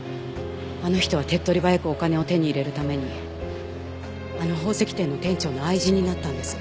あの人は手っ取り早くお金を手に入れるためにあの宝石店の店長の愛人になったんです。